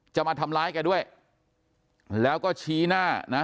จะมาทำร้ายแกด้วยแล้วก็ชี้หน้านะ